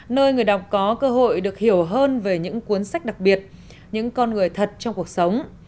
nơi người đọc có cơ hội được hiểu hơn về những cuốn sách đặc biệt những con người thật trong cuộc sống